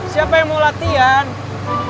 siapa yang mau latihan